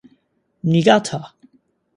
Niigata!